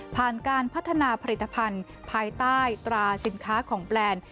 การพัฒนาผลิตภัณฑ์ภายใต้ตราสินค้าของแบรนด์